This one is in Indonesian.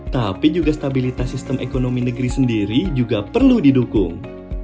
tapi juga stabilitas sistem ekonomi negeri sendiri juga perlu didukung